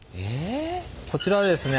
こちらはですね